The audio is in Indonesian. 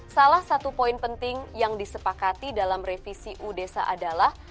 salah satu poin penting yang disepakati dalam revisi udesa adalah